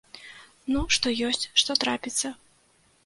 Ну, што ёсць, што трапіцца.